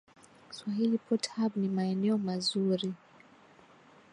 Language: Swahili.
Swahili pot hub ni maeneo mazuri